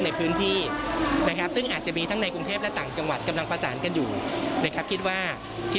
เนื่องจากตอนนี้กำลังฉ่อตึง